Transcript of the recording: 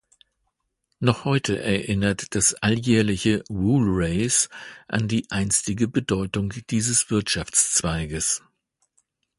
Noch heute erinnert das alljährliche "Wool Race" an die einstige Bedeutung dieses Wirtschaftszweiges.